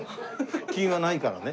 腹筋はないからね。